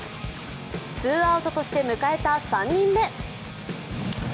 ツーアウトとして迎えた３人目。